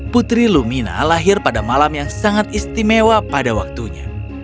putri lumina lahir pada malam yang sangat istimewa pada waktunya